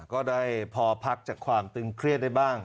ก็ได้พอพักจากความตึงเครียดได้บ้าง